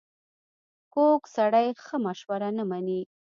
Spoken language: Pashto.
کوږ سړی ښه مشوره نه مني